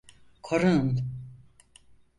Korunun!